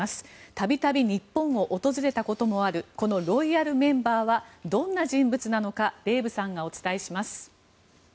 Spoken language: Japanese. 度々、日本を訪れたこともあるこのロイヤルメンバーはどんな人物なのかデーブさんがお伝えします。